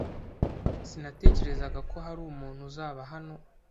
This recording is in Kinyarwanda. Sinatekerezaga ko hari umuntu uzaba hano.